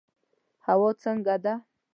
هوا څنګه ده؟